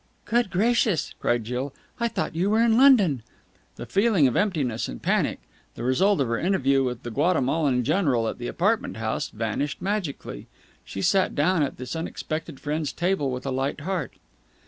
"Good gracious!" cried Jill. "I thought you were in London!" That feeling of emptiness and panic, the result of her interview with the Guatemalan general at the apartment house, vanished magically. She sat down at this unexpected friend's table with a light heart.